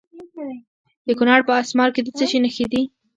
د کونړ په اسمار کې د څه شي نښې دي؟